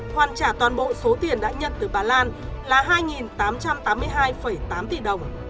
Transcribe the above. hoàn trả toàn bộ số tiền đã nhận từ bà lan là hai tám trăm tám mươi hai tám tỷ đồng